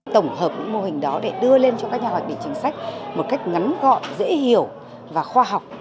tổng hợp mô hình đó để đưa lên cho các nhà hoạt động chính sách một cách ngắn gọn dễ hiểu và khoa học